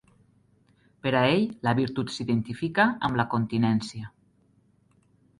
Per a ell la virtut s'identifica amb la continència.